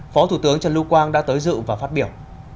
phó thủ tướng trần lưu quang đã tới dự và phát biểu